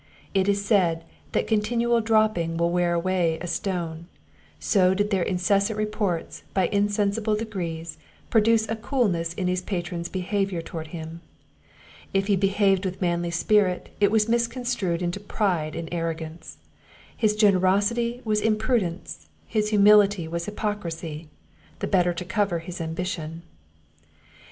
It is said, that continual dropping will wear away a stone; so did their incessant reports, by insensible degrees, produce a coolness in his patron's behaviour towards him. If he behaved with manly spirit, it was misconstrued into pride and arrogance; his generosity was imprudence; his humility was hypocrisy, the better to cover his ambition.